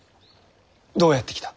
どうやって来た？